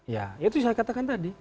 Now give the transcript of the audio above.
ya itu saya katakan tadi